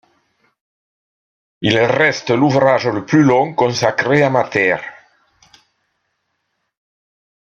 Il reste l'ouvrage le plus long consacré à Mathers.